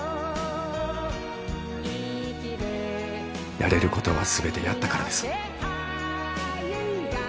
やれることは全てやったからです。